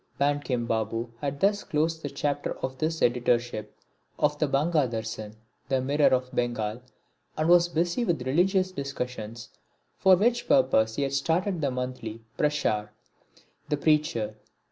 Bankim Babu had just closed the chapter of his editorship of the Banga Darsan, the Mirror of Bengal, and was busy with religious discussions for which purpose he had started the monthly, Prachar, the Preacher.